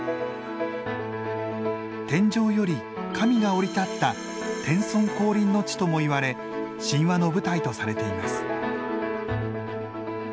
天上より神が降り立った天孫降臨の地ともいわれ神話の舞台とされています。